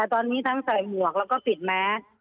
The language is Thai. ตอนนี้ทั้งใส่หมวกแล้วก็ปิดแมส